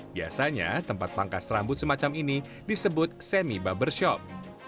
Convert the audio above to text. biasanya tempat pangkas rambut semacam ini disebut semi barbershop